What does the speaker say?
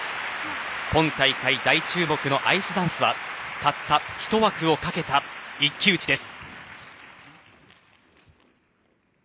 今大会大注目のアイスダンスはたった１枠を懸けた一騎打ちです。